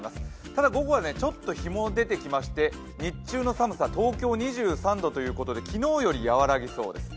ただ、午後はちょっと日も出てきまして、日中の寒さ、東京２３度ということで、昨日より和らぎそうです。